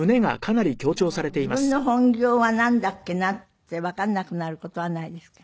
でも自分の本業はなんだっけなってわかんなくなる事はないですか？